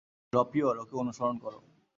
ড্রপিয়র, ওকে অনুসরণ করো।